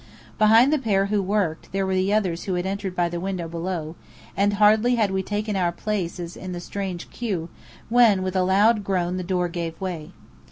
Behind the pair who worked were the others who had entered by the window below; and hardly had we taken our places in the strange queue, when with a loud groan the door gave way.